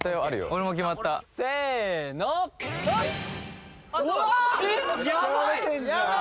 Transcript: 俺も決まったせのうわ